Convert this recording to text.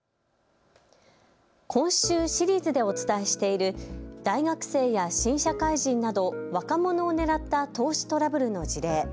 今週、シリーズでお伝えしている大学生や新社会人など若者を狙った投資トラブルの事例。